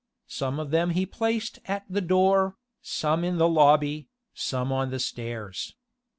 Some of them he placed at the door, some in the lobby, some on the stairs.